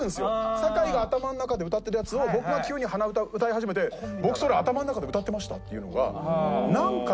酒井が頭の中で歌ってるやつを僕が急に鼻歌歌い始めて「僕それ頭の中で歌ってました」っていうのが何回もあって。